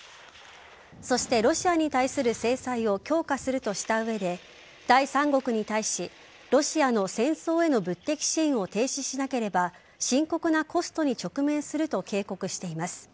そして、ロシアに対する制裁を強化するとした上で第三国に対しロシアの戦争への物的支援を停止しなければ深刻なコストに直面すると警告しています。